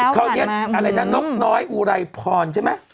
คราวนี้อะไรนะนกน้อยอุไรพรใช่ไหม